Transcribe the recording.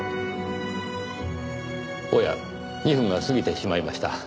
おや２分が過ぎてしまいました。